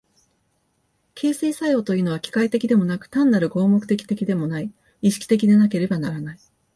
形成作用というのは機械的でもなく単なる合目的的でもない、意識的でなければならない。